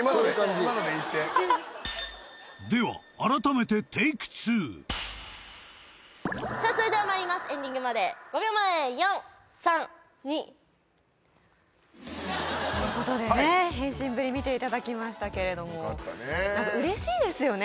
今のでいってでは改めてさあそれではまいりますエンディングまで５秒前４３２ということでね変身ぶり見ていただきましたけれどもうれしいですよね